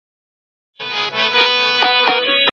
خو